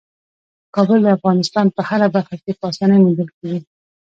کابل د افغانستان په هره برخه کې په اسانۍ موندل کېږي.